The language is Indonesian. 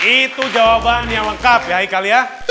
itu jawaban yang lengkap ya ikal ya